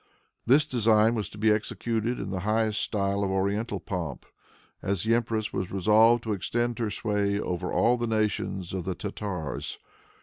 This design was to be executed in the highest style of oriental pomp, as the empress was resolved to extend her sway over all the nations of the Tartars.